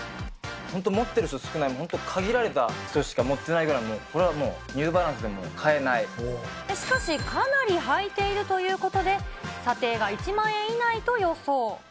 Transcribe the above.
本当持ってる人少ない、本当限られた人しか持ってないぐらいこれはもう、ニューバランスしかし、かなり履いているということで、査定が１万円以内と予想。